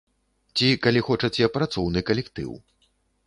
Ці, калі хочаце, працоўны калектыў.